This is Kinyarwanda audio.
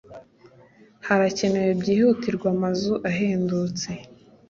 harakenewe byihutirwa amazu ahendutse